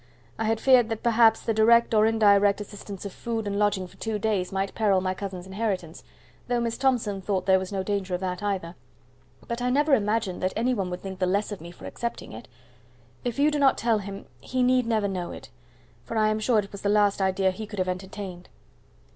I had feared that perhaps the direct or indirect assistance of food and lodging for two days might peril my cousin's inheritance, though Miss Thomson thought there was no danger of that either, but I never imagined that any one would think the less of me for accepting it. If you do not tell him, he need never know it; for I am sure it was the last idea he could have entertained."